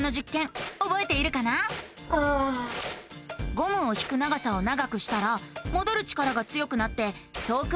ゴムを引く長さを長くしたらもどる力が強くなって遠くまでうごいたよね。